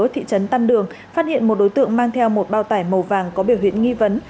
thị trấn tam đường phát hiện một đối tượng mang theo một bao tải màu vàng có biểu hiện nghi vấn